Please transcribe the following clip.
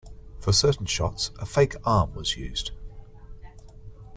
For certain shots, a fake arm was used.